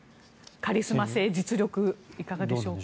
カリスマ性、実力いかがでしょうか。